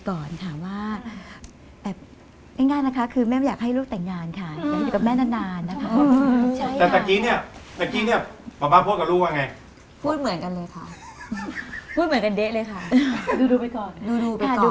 หนังสืออย่าอ่านแค่หน้าปกต้องเปิดดุ้งไหน